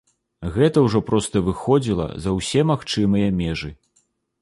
Гэта ўжо проста выходзіла за ўсе магчымыя межы.